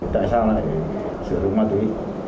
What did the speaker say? tại sao lại sử dụng ma túy